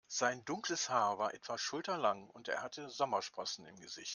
Sein dunkles Haar war etwa schulterlang und er hatte Sommersprossen im Gesicht.